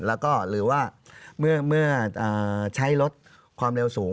แล้วก็หรือว่าเมื่อใช้รถความเร็วสูง